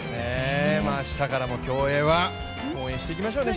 あしたからも競泳は応援していきましょうね。